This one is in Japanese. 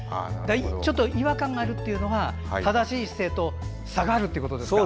ちょっと違和感があるというのは正しい姿勢と差があるということですか。